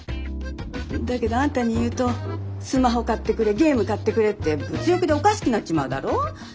だけどあんたに言うとスマホ買ってくれゲーム買ってくれって物欲でおかしくなっちまうだろ？